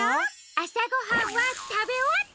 あさごはんはたべおわった？